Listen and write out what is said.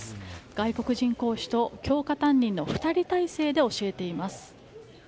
外国人講師と教科担任の２人体制で教えています。